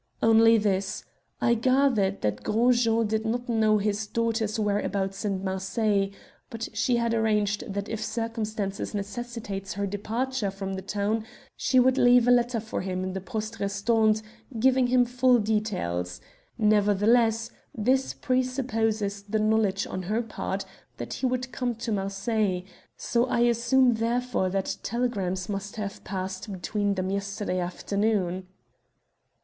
"Only this. I gathered that Gros Jean did not know his daughter's whereabouts in Marseilles, but she had arranged that if circumstances necessitated her departure from the town she would leave a letter for him in the Poste Restante, giving him full details. Nevertheless, this presupposes the knowledge on her part that he would come to Marseilles, so I assume therefore that telegrams must have passed between them yesterday afternoon."